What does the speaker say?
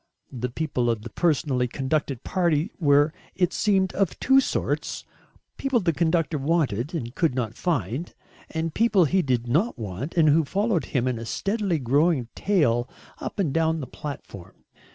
The people of the personally conducted party were, it seemed, of two sorts; people the conductor wanted and could not find, and people he did not want and who followed him in a steadily growing tail up and down the platform.